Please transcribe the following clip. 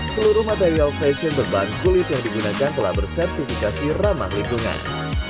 seluruh material fashion berbahan kulit yang digunakan telah bersertifikasi ramah lingkungan